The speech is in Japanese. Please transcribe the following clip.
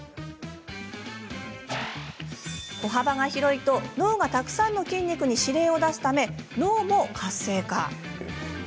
歩幅が広いと脳がたくさんの筋肉に指令を出すため脳も活性化。